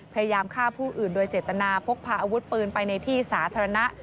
พยายามฆ่าผู้อื่นโดยเจตนาพกพาอาวุธปืนไปในที่สาธารณะ